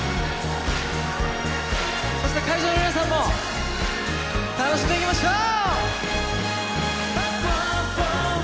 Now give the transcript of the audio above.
そして会場の皆さんも楽しんでいきましょう。